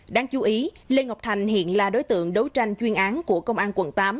đáng chú ý lê ngọc thành hiện là đối tượng đấu tranh chuyên án của công an quận tám